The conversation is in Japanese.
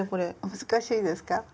難しいですか？